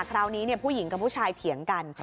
คราวนี้ผู้หญิงกับผู้ชายเถียงกัน